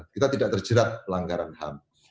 kita tidak terjerat pelanggaran ham